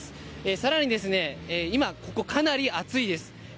さらに今、ここ、かなり暑いです。